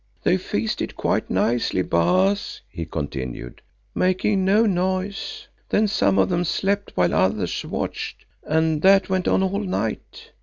"They feasted quite nicely, Baas," he continued, "making no noise. Then some of them slept while others watched, and that went on all night.